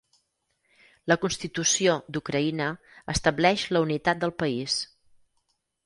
La constitució d'Ucraïna estableix la unitat del país.